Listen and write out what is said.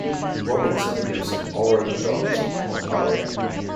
Robinson lives in Oro-Medonte, Ontario.